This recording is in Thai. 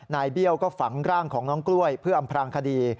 เบี้ยวก็ฝังร่างของน้องกล้วยเพื่ออำพลางคดี